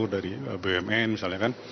dari bumn misalnya kan